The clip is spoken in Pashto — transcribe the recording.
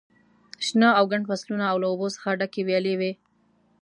شنه او ګڼ فصلونه او له اوبو څخه ډکې ویالې وې.